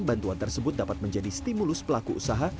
bantuan tersebut dapat menjadi stimulus pelaku usaha